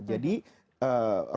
tidak pas ya jadi